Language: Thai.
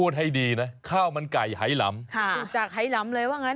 จุดจากไหล่ลำเลยว่างั้น